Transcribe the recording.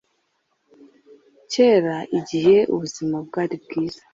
kera igihe ubuzima bwari bwiza